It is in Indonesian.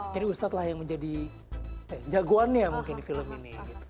jadi ustadz lah yang menjadi jagoannya mungkin di film ini